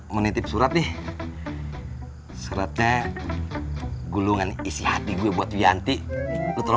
mumpung ada fatin